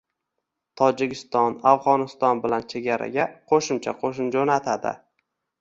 Tojikiston Afg‘oniston bilan chegaraga qo‘shimcha qo‘shin jo‘natadi